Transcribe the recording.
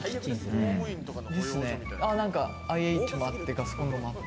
ＩＨもあって、ガスコンロもあって。